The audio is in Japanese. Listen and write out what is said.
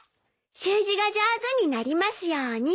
「習字が上手になりますように」